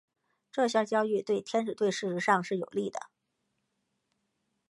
这项交易对天使队事实上是有利的。